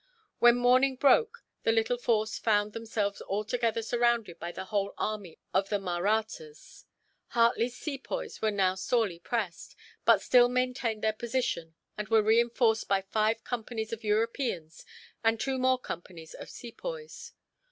When morning broke, the little force found themselves altogether surrounded by the whole army of the Mahrattas. Hartley's Sepoys were now sorely pressed, but still maintained their position, and were reinforced by five companies of Europeans and two more companies of Sepoys.